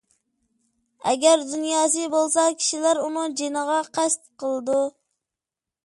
ئەگەر دۇنياسى بولسا، كىشىلەر ئۇنىڭ جېنىغا قەست قىلىدۇ.